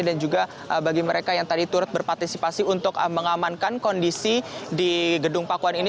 dan juga bagi mereka yang tadi turut berpartisipasi untuk mengamankan kondisi di gedung pakuan ini